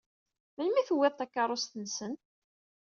Melmi i tewwiḍ takeṛṛust-nsen?